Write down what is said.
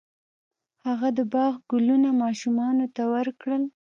هغه د باغ ګلونه ماشومانو ته ورکړل.